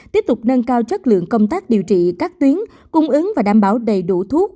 tiếp tục nâng cao chất lượng công tác điều trị các tuyến cung ứng và đảm bảo đầy đủ thuốc